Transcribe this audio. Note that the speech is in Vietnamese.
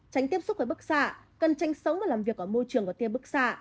tránh tiếp xúc với bức xạ cần tranh sống và làm việc ở môi trường của tiên bức xạ